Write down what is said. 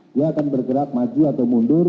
dia akan bergerak maju atau mundur